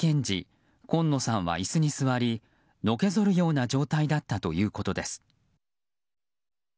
時今野さんは椅子に座りのけぞるような状態だったということです。